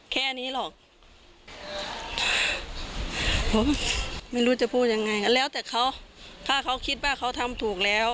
แค่นี้หรอกผมไม่รู้จะพูดยังไงแล้วแต่เขาถ้าเขาคิดว่าเขาทำถูกแล้ว